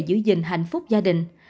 giữ gìn hạnh phúc gia đình